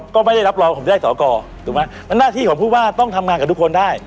ก็ไม่ได้รับรองผมจะได้สอกรถูกไหมมันหน้าที่ของผู้ว่าต้องทำงานกับทุกคนได้